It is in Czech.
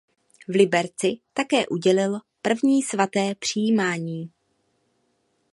V Liberci také udělil první svaté přijímání.